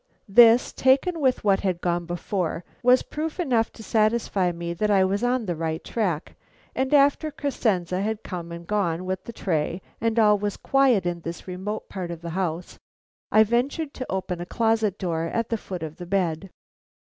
This, taken with what had gone before, was proof enough to satisfy me that I was on the right track, and after Crescenze had come and gone with the tray and all was quiet in this remote part of the house, I ventured to open a closet door at the foot of the bed.